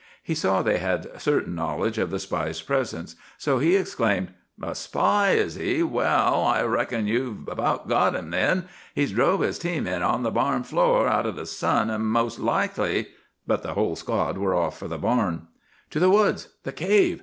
He saw they had certain knowledge of the spy's presence. So he exclaimed:— "'A spy, is he? Well, I reckon you've about got him, then. He's drove his team in on the barn floor, out of the sun, and most likely'—but the whole squad were off for the barn. "'To the woods! The cave!